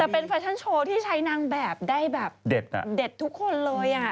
แต่เป็นแฟชั่นโชว์ที่ใช้นางแบบได้แบบเด็ดทุกคนเลย